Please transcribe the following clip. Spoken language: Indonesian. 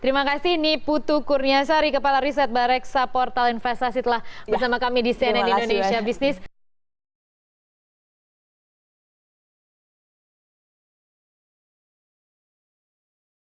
terima kasih niputu kurniasari kepala riset bareksa portal investasi telah bersama kami di cnn indonesia business